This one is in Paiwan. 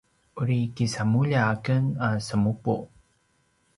uri kisamulja aken a semupu